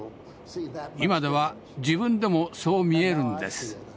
今では自分でもそう見えるんです。